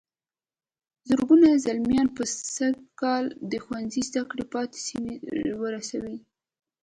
زرګونه زلميان به سږ کال د ښوونځي زدهکړې پای ته ورسوي.